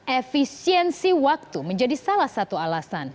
efisiensi waktu menjadi salah satu alasan